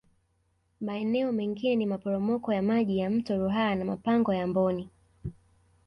Maeneo mengine ni maporomoko ya Maji ya Mto Ruaha na Mapango ya Amboni